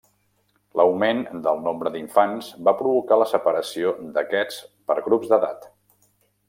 L'augment del nombre d'infants va provocar la separació d'aquests per grups d'edat.